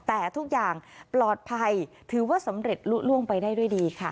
แต่ทุกอย่างปลอดภัยถือว่าสำเร็จลุล่วงไปได้ด้วยดีค่ะ